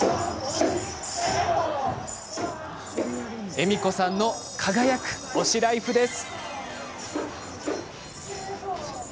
恵美子さんの輝く推しライフです。